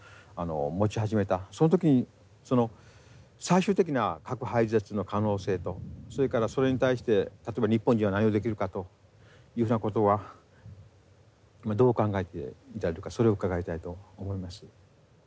その時に最終的な核廃絶の可能性とそれからそれに対して例えば日本人は何ができるかというふうなことはどう考えていられるかそれを伺いたいと思います。